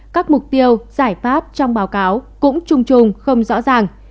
các mục tiêu giải pháp trong báo cáo cũng trùng trùng không rõ ràng